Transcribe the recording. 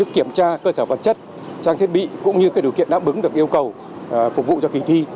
kiểm tra cơ sở vật chất trang thiết bị cũng như cái điều kiện đã bứng được yêu cầu phục vụ cho kỳ thi